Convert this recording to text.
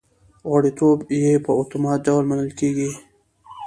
غړیتوب یې په اتومات ډول منل کېږي